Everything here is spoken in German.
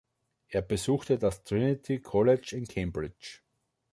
Er besuchte das Trinity College in Cambridge.